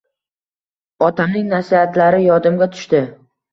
Otamning nasihatlari yodimga tushdi.